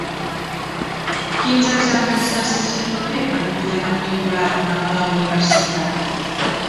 Quins exàmens necessito fer per poder matricular-me a la universitat?